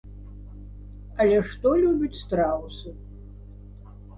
Але што любяць страусы?